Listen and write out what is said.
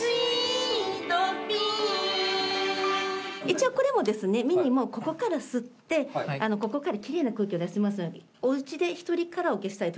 一応これもですねｍｉｎｉもここから吸ってここからキレイな空気を出します